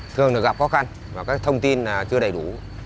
thường gặp khó khăn và các thông tin chưa đầy đủ